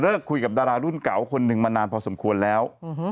คุยกับดารารุ่นเก่าคนหนึ่งมานานพอสมควรแล้ว